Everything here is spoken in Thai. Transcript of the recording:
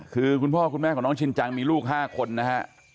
คือคุณพ่อคุณแม่ของน้องชินจังมีลูก๕คนนะฮะ